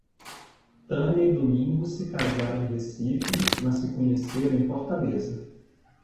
Tânia e Domingos se casaram em Recife, mas se conheceram em Fortaleza.